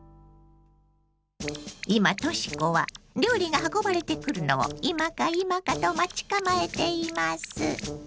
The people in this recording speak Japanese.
今とし子は料理が運ばれてくるのを今か今かと待ち構えています。